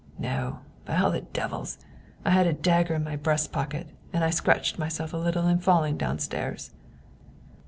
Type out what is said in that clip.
No, by all the devils! I had a dagger in my breast pocket, and I scratched myself a little in falling downstairs."